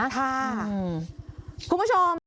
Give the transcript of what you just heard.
คุณผู้ชม